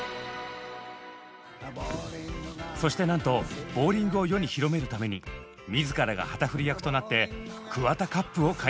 そしてなんとボウリングを世に広めるために自らが旗振り役となってＫＵＷＡＴＡＣＵＰを開催。